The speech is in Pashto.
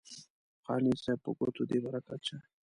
قانع صاحب په ګوتو دې برکت شه.